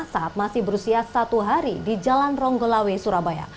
saat masih berusia satu hari di jalan ronggolawe surabaya